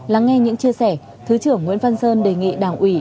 lắng nghe những chia sẻ thứ trưởng nguyễn văn sơn đề nghị đảng ủy